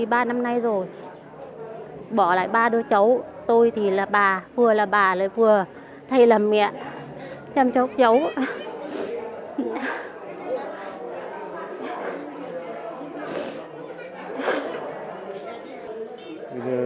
bỏ lại ba đứa cháu tôi thì là bà vừa là bà vừa thầy là mẹ chăm chóng cháu